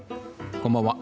こんばんは。